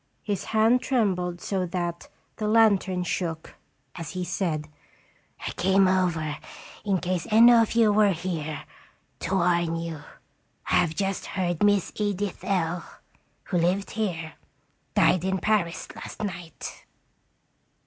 His hand trembled so that the lantern shook, as he said : "I came over, in case any of you were here, to warn you. I have just heard Miss Edith L , who lived here, died in Paris last night."